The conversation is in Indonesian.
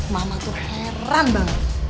mama tuh heran banget